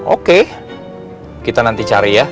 oke kita nanti cari ya